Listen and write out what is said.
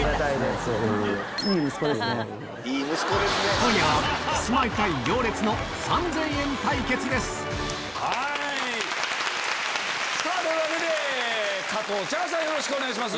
今夜はキスマイ対『行列』の３０００円対決ですというわけで加藤茶さんよろしくお願いします。